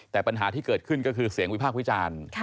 แต่ปัญหาที่เกิดขึ้นก็คือเสียงวิพากษ์วิจารณ์